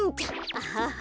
アハハ！